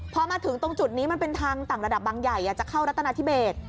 พอมาถึงตรงจุดนี้มันเป็นทางต่างระดับบางใหญ่จะเข้ารัฐนาธิเบส